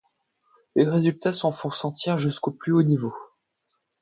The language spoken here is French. Les résultats s'en font sentir jusqu'au plus haut niveau.